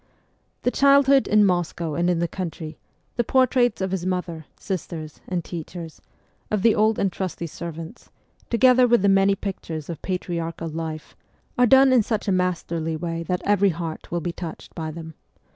The childhood in Moscow and in the country, the portraits of his mother, sisters, and teachers, of the old and trusty servants, together with the many pictures of patriarchal life, are done in such a masterly way that PREFACE IX every heart will be touched by them.